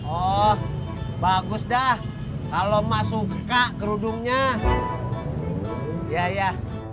oh bagus dah kalau mah suka kerudungnya ya ya